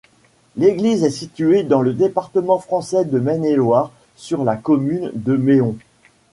L'église est située dans le département français de Maine-et-Loire, sur la commune de Méon.